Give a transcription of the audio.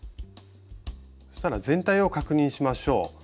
そしたら全体を確認しましょう。